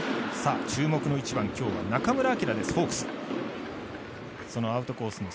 注目の１番今日は中村晃です、ホークス。